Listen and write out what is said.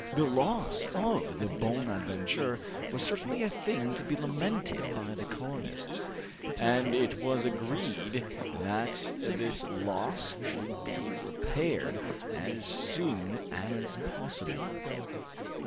The loss of the "Bonadventure" was certainly a thing to be lamented by the colonists, and it was agreed that this loss should be repaired as soon as possible.